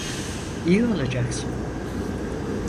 İyi olacaksın.